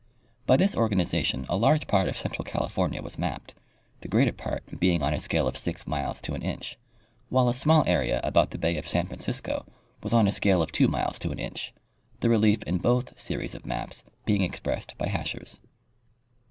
By this organization a large part ■ of central California was mapped, the greater part being on a scale of 6 miles to an inch, while a small area about the bay of San Francisco was on a scale of 2 miles to an inch, the relief in both series of maps being expressed by hachures.